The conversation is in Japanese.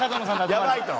やばいと。